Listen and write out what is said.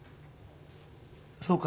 そうか。